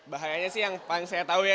bahayanya sih yang paling saya tahu ya